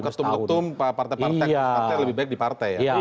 karena ketum ketum partai partai lebih baik di partai ya